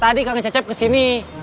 tadi kak ngecep kesini